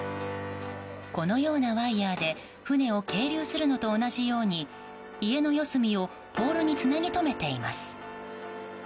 このようなワイヤで船を係留するのと同じように家の四隅をポールにつなぎ留めています。